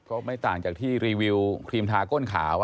ก็ไม่ต่างจากที่รีวิวครีมทาก้นขาว